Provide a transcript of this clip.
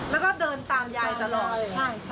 แล้วก็เดินตามยายตลอด